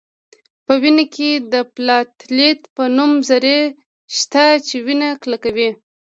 په وینه کې د پلاتیلیت په نوم ذرې شته چې وینه کلکوي